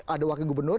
ada wakil gubernur